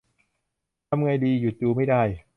ทำไงดีหยุดดูไม่ได้